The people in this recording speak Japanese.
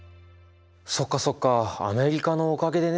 そっかそっかアメリカのおかげでね。